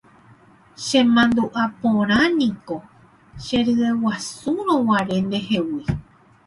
Chemandu'aporãniko cheryeguasurõguare ndehegui.